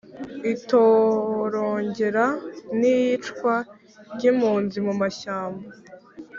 itorongera n' iyicwa ry' impunzi mu mashyamba